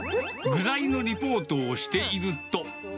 具材のリポートをしていると。